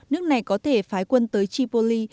nước này có thể phái quân tới tripoli